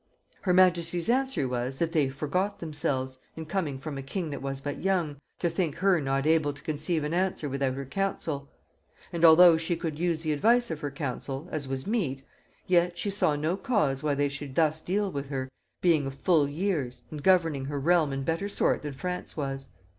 Her majesty's answer was, that they forgot themselves, in coming from a king that was but young, to think her not able to conceive an answer without her council: and although she could use the advice of her council, as was meet, yet she saw no cause why they should thus deal with her, being of full years, and governing her realm in better sort than France was.